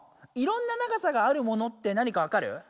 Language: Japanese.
いろんな長さがあるものって何かわかる？